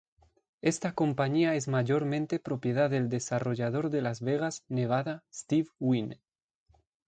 Esta compañía es mayormente propiedad del desarrollador de Las Vegas, Nevada, Steve Wynn.